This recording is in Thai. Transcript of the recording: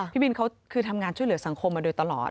พี่บินเขาคือทำงานช่วยเหลือสังคมมาโดยตลอด